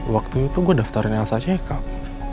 waktu itu gue daftarin elsa check up